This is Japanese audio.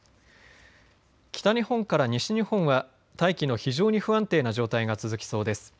北日本から西日本は大気の非常に不安定な状態が続きそうです。